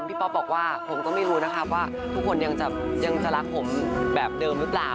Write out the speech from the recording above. ป๊อปบอกว่าผมก็ไม่รู้นะครับว่าทุกคนยังจะรักผมแบบเดิมหรือเปล่า